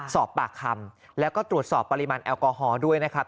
สอบปากคำแล้วก็ตรวจสอบปริมาณแอลกอฮอล์ด้วยนะครับ